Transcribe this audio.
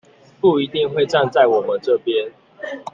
不一定會站在我們這邊